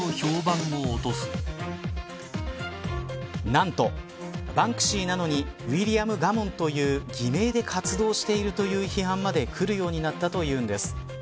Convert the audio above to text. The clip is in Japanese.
なんと、バンクシーなのにウィリアム・ガモンという偽名で活動しているという批判までくるようになったというのです。